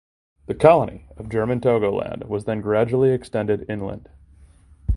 The colony of German Togoland was then gradually extended inland.